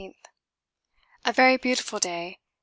A very beautiful day.